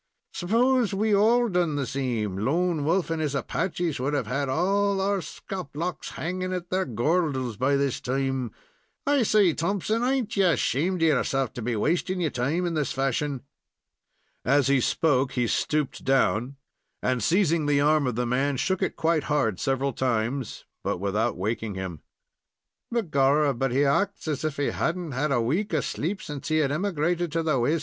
S'pose we' all done the same, Lone Wolf and his Apaches would have had all our skulp locks hanging at their goordles by this time. I say, Thompson, ain't you ashamed of yourself to be wastin' your time in this fashion?" As he spoke, he stooped down, and seizing the arm of the man, shook it quite hard several times, but without waking him. "Begorrah, but he acts as if he had n't a week of sleep since he had emigrated to the West.